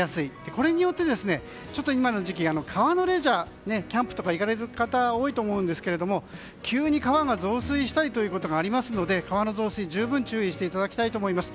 これによって今の時期川のレジャーキャンプとか行かれる方多いと思うんですが急に川が増水したりということがありますので川の増水、十分注意していただきたいと思います。